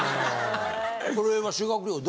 これが修学旅行。